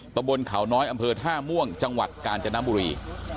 ตะบนเขาน้อยอำเภอท่าม่วงจังหวัดกาญจนบุรี